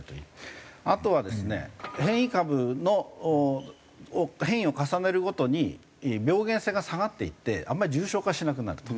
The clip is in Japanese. あとはですね変異株の変異を重ねるごとに病原性が下がっていってあんまり重症化しなくなると。